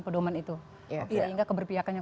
pedoman itu sehingga keberpihakannya